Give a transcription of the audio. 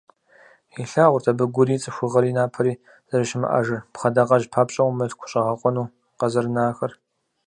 Илъагъурт абы Гури, ЦӀыхугъэри, Напэри зэрыщымыӀэжыр, пхъэдакъэжь папщӀэу мылъкущӀэгъэкъуэну къызэрынахэр.